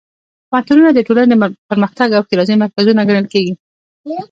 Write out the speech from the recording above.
پوهنتونونه د ټولنې د پرمختګ او ښېرازۍ مرکزونه ګڼل کېږي.